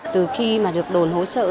từ khi mà được đồn hỗ trợ